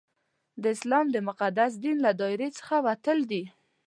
د اسلام د مقدس دین له دایرې څخه وتل دي.